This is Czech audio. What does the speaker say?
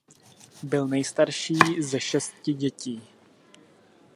Byl nejstarší ze šesti dětí.